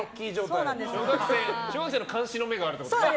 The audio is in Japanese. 小学生の監視の目があるってことね。